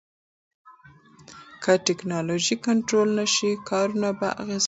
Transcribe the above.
که ټکنالوژي کنټرول نشي، کارونه به اغیزمن شي.